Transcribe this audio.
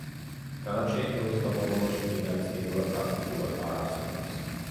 დანარჩენი დროის განმავლობაში მდინარის დინება პრაქტიკულად არ არსებობს.